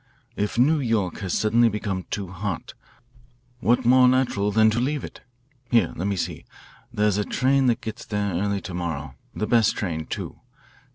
If New York has suddenly become too hot, what more natural than to leave it? Here, let me see there's a train that gets there early to morrow, the best train, too.